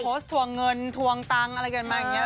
ผมโพสต์ทวงเงินทวงตังค์อะไรเกินมาอย่างเงี้ย